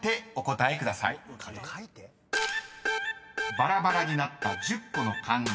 ［バラバラになった１０個の漢字。